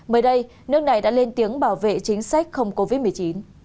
mới đây nước này đã lên tiếng bảo vệ chính sách không covid một mươi chín